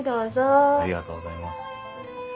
ありがとうございます。